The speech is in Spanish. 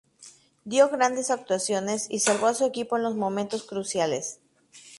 Dio grandes actuaciones y salvó a su equipo en los momentos cruciales.